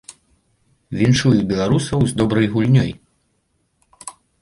Віншую беларусаў з добрай гульнёй.